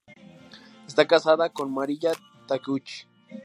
Esta casado con Mariya Takeuchi.